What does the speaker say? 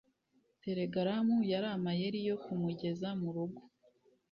telegaramu yari amayeri yo kumugeza murugo